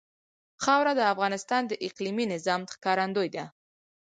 خاوره د افغانستان د اقلیمي نظام ښکارندوی ده.